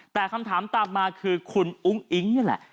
แต่คำถามตามมาคือคุณอุ้งอิ๊งนี่แหละ